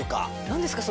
何ですか？